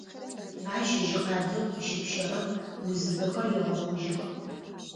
Ащ жьы къабзэу къыщэпщэрэм узыбэхэр егъэхъужьых.